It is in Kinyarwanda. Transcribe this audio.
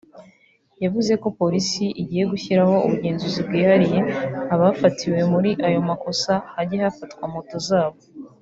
yavuze ko Polisi igiye gushyiraho ubugenzuzi bwihariye abafatiwe muri ayo makosa hajye hafatwa moto zabo